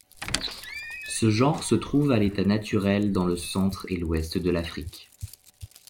Ce genre se trouve à l'état naturel dans le centre et l'Ouest de l'Afrique.